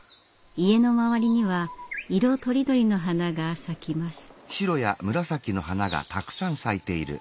家の周りには色とりどりの花が咲きます。